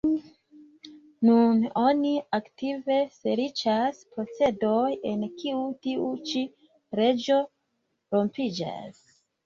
Nun oni aktive serĉas procedoj en kiuj tiu ĉi leĝo rompiĝas.